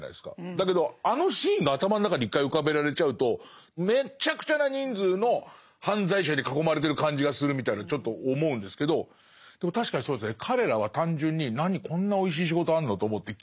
だけどあのシーンが頭の中に一回浮かべられちゃうとめちゃくちゃな人数の犯罪者に囲まれてる感じがするみたいなのちょっと思うんですけどでも確かにそうですね。